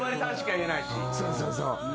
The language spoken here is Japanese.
そうそうそう。